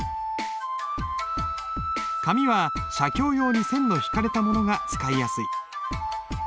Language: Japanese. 紙は写経用に線の引かれたものが使いやすい。